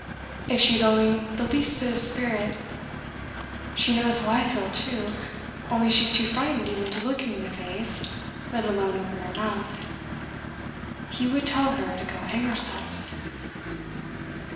If she had only the least bit of spirit! She knows how I feel, too, only she's too frightened even to look him in the face, let alone open her mouth. He would tell her to go hang herself."